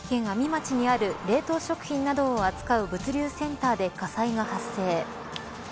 町にある冷凍食品などを扱う物流センターで火災が発生。